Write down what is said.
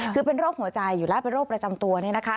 คือเป็นโรคหัวใจอยู่แล้วเป็นโรคประจำตัว